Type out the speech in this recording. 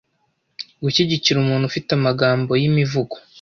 Gushyigikira umuntu ufite amagambo yimivugo